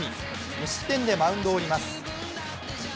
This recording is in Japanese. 無失点でマウンドを降ります。